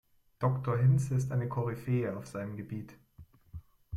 Doktor Hinze ist eine Koryphäe auf seinem Gebiet.